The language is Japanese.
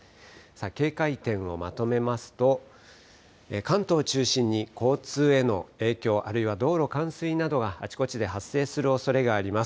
警戒点をまとめますと関東を中心に交通への影響、あるいは道路冠水などがあちこちで発生するおそれがあります。